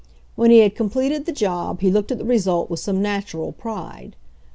When he had completed the job he looked at the result with some natural pride.